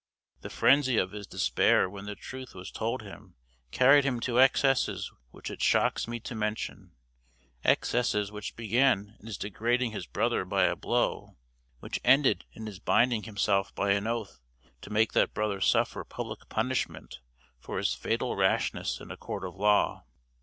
The frenzy of his despair when the truth was told him carried him to excesses which it shocks me to mention excesses which began in his degrading his brother by a blow, which ended in his binding himself by an oath to make that brother suffer public punishment for his fatal rashness in a court of law.